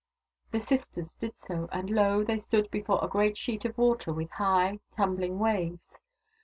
The sisters did so, and lo ! they stood before a great sheet of water with high, tumbhng waves.